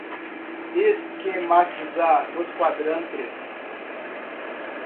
Esquematizar os quadrantes